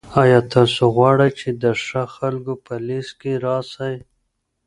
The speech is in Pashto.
آیا تاسو غواړئ چي د ښه خلکو په لیست کي راسئ؟